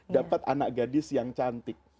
dapat anak gadis yang cantik